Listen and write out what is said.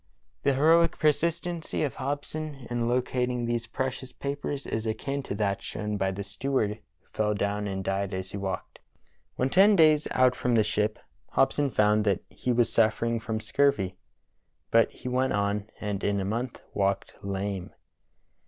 The heroic persistency of Hobson in locating these precious papers is akin to that shown by the steward who fell down and died as he walked. When ten days out from the ship Hobson found that he was suffering from scurvy, but he went on and in a month walked lame.